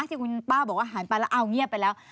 ที่คุณป้าบอกว่าหันไปแล้วเอาเงียบไปแล้ว